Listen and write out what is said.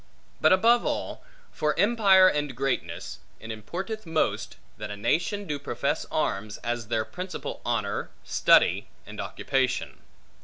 But above all, for empire and greatness, it importeth most, that a nation do profess arms, as their principal honor, study, and occupation.